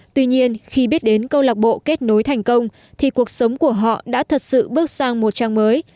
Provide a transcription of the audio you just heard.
tuy nhiên khi biết đến câu lạc bộ kết nối thành công thì cuộc sống của họ đã thật sự bước sang một trang mới